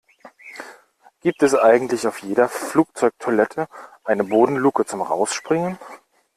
Gibt es eigentlich auf jeder Flugzeugtoilette eine Bodenluke zum Rausspringen?